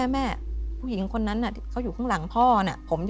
แม่ผู้หญิงคนนั้นเขาอยู่ข้างหลังพ่อเนี่ย